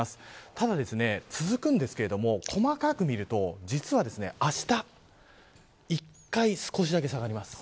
ただ続くんですけれども細かく見ると実は、あした一回少しだけ下がります。